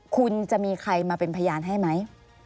คุณจะมีใครมาเป็นพยานให้ไหม